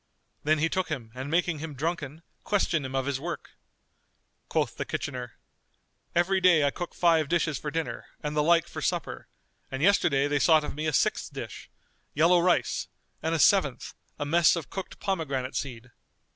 Then he took him and making him drunken, questioned him of his work. Quoth the kitchener, "Every day I cook five dishes for dinner and the like for supper; and yesterday they sought of me a sixth dish,[FN#237] yellow rice,[FN#238] and a seventh, a mess of cooked pomegranate seed."